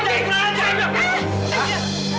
kamu juga pergi